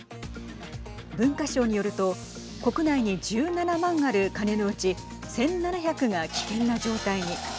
文科省によると国内に１７万ある鐘のうち１７００が危険な状態に。